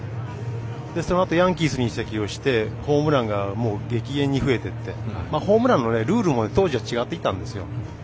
そのあと、ヤンキースに移籍してホームランも激減していってホームランのルールも当時は違っていたんですよ。